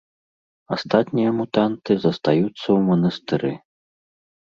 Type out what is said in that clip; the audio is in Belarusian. Астатнія мутанты застаюцца ў манастыры.